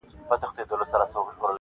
د سړي د کور په خوا کي یو لوی غار وو.